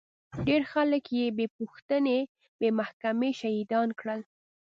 ډېر خلک يې بې پوښتنې بې محکمې شهيدان کړل.